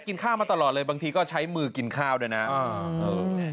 กินข้าวมาตลอดเลยบางทีก็ใช้มือกินข้าวด้วยนะ